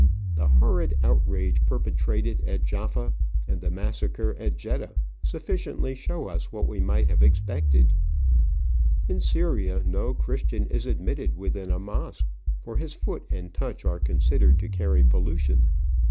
The horrid outrage perpetrated at Jaffa, and the massacre at Jeddah, sufficiently show us what we might have expected. In Syria no Christian is admitted within a mosque, for his foot and touch are considered to carry pollution.